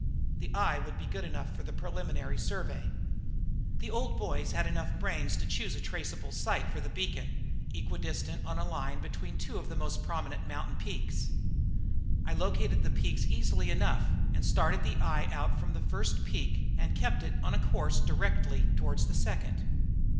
The eye would be good enough for the preliminary survey. The old boys had enough brains to choose a traceable site for the beacon, equidistant on a line between two of the most prominent mountain peaks. I located the peaks easily enough and started the eye out from the first peak and kept it on a course directly toward the second.